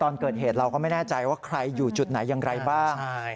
ตอนเกิดเหตุเราก็ไม่แน่ใจว่าใครอยู่จุดไหนอย่างไรบ้าง